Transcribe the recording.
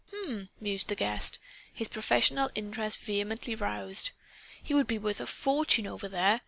"H'm!" mused the guest, his professional interest vehemently roused. "He would be worth a fortune over there.